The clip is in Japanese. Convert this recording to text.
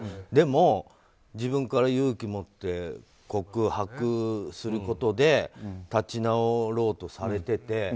でも、自分から勇気を持って告白することで立ち直ろうとされてて。